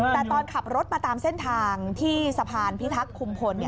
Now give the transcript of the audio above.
แต่ตอนขับรถมาตามเส้นทางที่สะพานพิทักษ์คุมพล